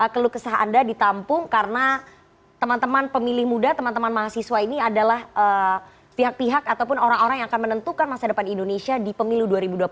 kelukesah anda ditampung karena teman teman pemilih muda teman teman mahasiswa ini adalah pihak pihak ataupun orang orang yang akan menentukan masa depan indonesia di pemilu dua ribu dua puluh empat